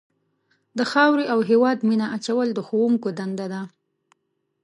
د خاورې او هېواد مینه اچول د ښوونکو دنده ده.